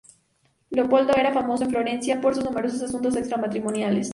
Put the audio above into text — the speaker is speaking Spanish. Leopoldo era famoso en Florencia por sus numerosos asuntos extra matrimoniales.